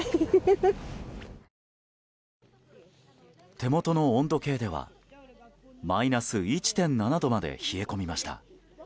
手元の温度計ではマイナス１．７度まで冷え込みました。